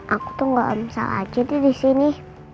aku tuh gak usah aja jadi di sini